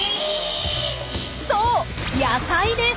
そう野菜です！